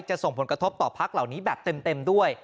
ส่งผลกระทบต่อพักเหล่านี้แบบเต็มด้วย